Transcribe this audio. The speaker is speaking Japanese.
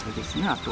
あと。